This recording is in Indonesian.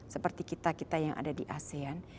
seperti kita kita yang ada di asean